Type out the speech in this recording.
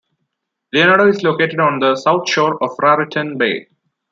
Leonardo is located on the south shore of Raritan Bay.